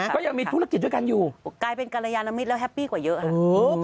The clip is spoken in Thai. ก็ยังมีธุรกิจด้วยกันอยู่กลายเป็นกรยานมิตรแล้วแฮปปี้กว่าเยอะค่ะ